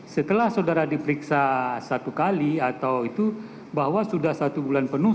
setelah saudara diperiksa satu kali atau itu bahwa sudah satu bulan penuh